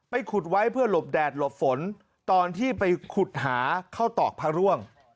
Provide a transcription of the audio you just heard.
ขุดไว้เพื่อหลบแดดหลบฝนตอนที่ไปขุดหาเข้าตอกพระร่วง